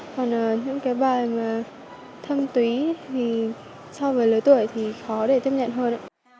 còn những cái bài mà thâm túy thì so với lớp tuổi thì khó để tiếp nhận hơn